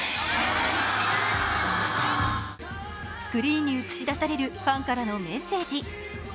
スクリーンに映し出されるファンからのメッセージ。